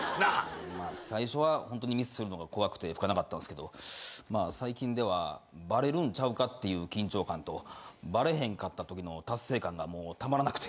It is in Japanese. まあ最初はホントにミスするのが怖くて吹かなかったんすけど最近ではバレるんちゃうかって緊張感とバレへんかったときの達成感がもうたまらなくて。